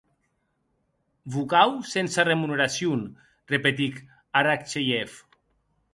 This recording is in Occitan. Vocau sense remuneracion, repetic Arakcheiev.